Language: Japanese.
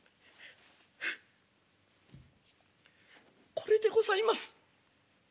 「これでございます」。